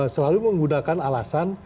selalu menggunakan alasan